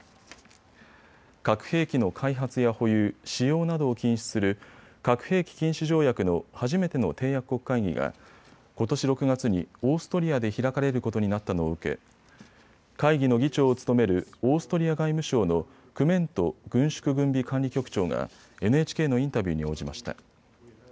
核兵器の開発や保有、使用などを禁止する核兵器禁止条約の初めての締約国会議がことし６月にオーストリアで開かれることになったのを受け会議の議長を務めるオーストリア外務省のクメント軍縮軍備管理局長がＮＨＫのインタビューに応じました。